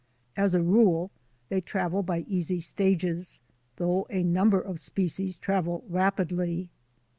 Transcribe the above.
As a rule, they travel by easy stages, though a number of species travel rapidly.